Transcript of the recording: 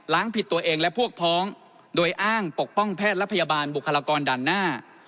ผิดตัวเองและพวกพ้องโดยอ้างปกป้องแพทย์และพยาบาลบุคลากรด่านหน้า